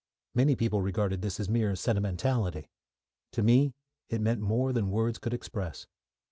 Many people regarded this as mere sentimentality. To me it meant more than words could express.